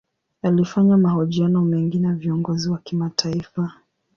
Alifanya mahojiano mengi na viongozi wa kimataifa.